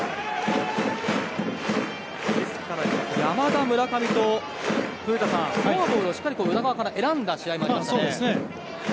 山田、村上とフォアボールをしっかり宇田川から選んだ試合もありましたね。